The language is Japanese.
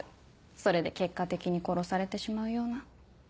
それで結果的に殺されてしまうような。